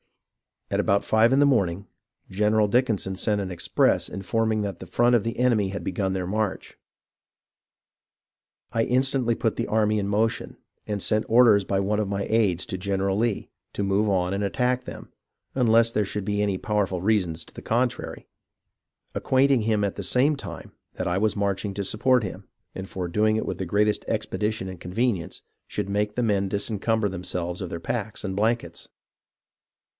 About five in the morning, General Dickinson sent an express informing that the front of the enemy had begun their march. I instantly put the army in motion, and sent orders by one of my aids to General Lee, to move on and attack them, unless there should be any powerful reasons to the contrary ; acquainting him at the same time that I was marching to support him, and for doing it with the greatest expedition and convenience, should make the men disencumber themselves of their packs and blankets.